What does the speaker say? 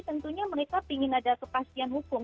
tentunya mereka ingin ada kepastian hukum